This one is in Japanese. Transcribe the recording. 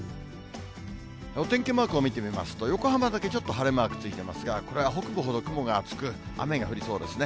お天気マークを見てみますと、横浜だけちょっと晴れマークついてますが、これは北部ほど雲が厚く、雨が降りそうですね。